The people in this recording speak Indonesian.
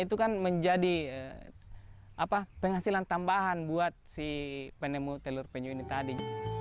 itu kan menjadi penghasilan tambahan buat si penemu telur penyu ini tadi